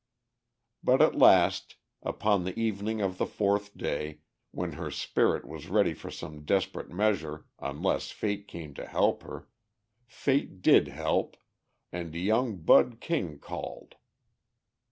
But at last, upon the evening of the fourth day, when her spirit was ready for some desperate measure unless fate came to help her, fate did help and young Bud King called.